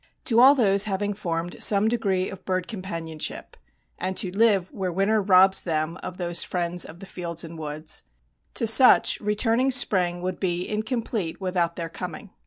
To all those having formed some degree of bird companionship and who live where winter robs them of those friends of the fields and woods—to such returning spring would be incomplete without their coming.